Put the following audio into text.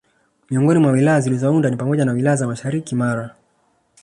Miongoni mwa Wilaya zilizounda ni pamoja na wilaya za mashariki Mara